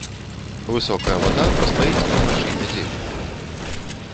Высокая вада пастаіць да начы нядзелі.